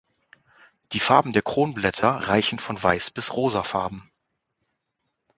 Die Farben der Kronblätter reichen von weiß bis rosafarben.